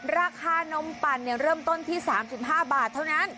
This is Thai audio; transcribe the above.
ราคานมปั่นเริ่มต้นที่๓๕บาทเท่านั้น